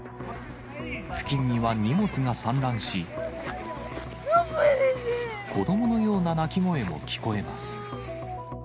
付近には荷物が散乱し、子どものような泣き声も聞こえます。